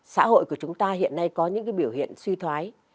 xã hội của chúng ta hiện nay có những cái biểu hiện suy thoái